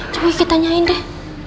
coba kita tanyain deh